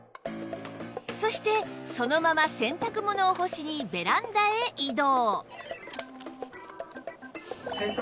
そしてそのまま洗濯物を干しにベランダへ移動